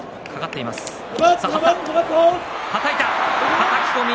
はたき込み。